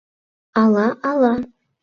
— Ала, ала.